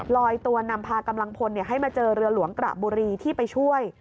ลอยตัวนำพากำลังพลให้มาเจอเรือหลวงกระบุรีที่ไปช่วย